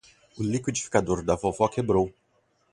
O liquidificador da vovó quebrou.